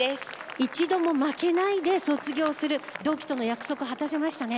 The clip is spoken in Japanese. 一度も負けないで卒業する同期との約束を果たせましたね。